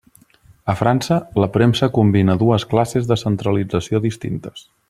A França, la premsa combina dues classes de centralització distintes.